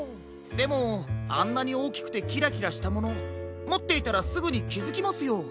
でもあんなにおおきくてキラキラしたものもっていたらすぐにきづきますよ。